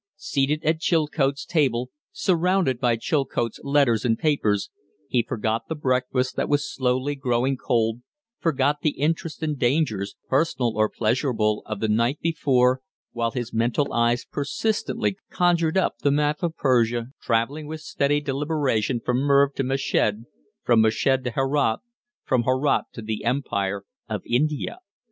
Seated at Chilcote's table, surrounded by Chilcote's letters and papers, he forgot the breakfast that was slowly growing cold, forgot the interests and dangers, personal or pleasurable, of the night before, while his mental eyes persistently conjured up the map of Persia, travelling with steady deliberation from Merv to Meshed, from Meshed to Herat, from Herat to the empire of India!